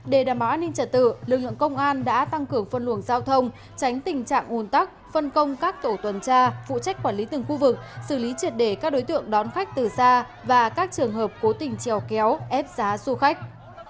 để đảm bảo an ninh trả tự lực lượng công an đã tăng cường phân luồng giao thông tránh tình trạng ồn tắc phân công các tổ tuần tra phụ trách quản lý từng khu vực xử lý triệt để các đối tượng đón khách từ xa và các trường hợp cố tình trèo kéo ép giá du khách